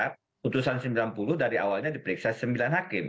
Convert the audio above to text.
putusan sembilan puluh dari awalnya diperiksa sembilan hakim